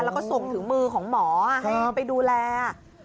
แล้วก็ส่งถึงมือของหมอให้ไปดูแล